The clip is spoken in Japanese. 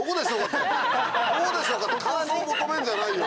「どうでしょうか？」って感想求めんじゃないよ